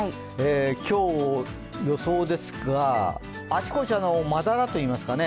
今日、予想ですが、あちこちまだらといいますかね。